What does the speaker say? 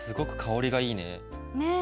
ねえ。